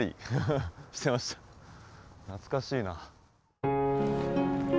懐かしいな。